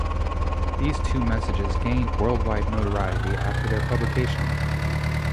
These two messages gained worldwide notoriety after their publication.